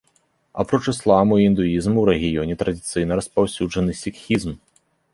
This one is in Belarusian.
Апроч ісламу і індуізму, у рэгіёне традыцыйна распаўсюджаны сікхізм.